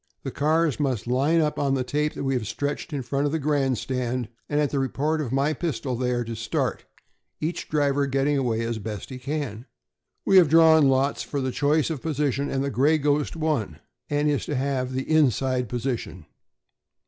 The cars must line up on the tape that we have stretched in front of the grandstand, and at the report of my pistol they are to start, each driver getting away as best he can. We have drawn lots for the choice of position, and the 'Gray Ghost' won, and is to have the inside position.